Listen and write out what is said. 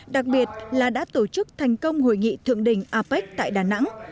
đặc biệt là đã tổ chức thành công hội nghị thượng đỉnh apec tại đà nẵng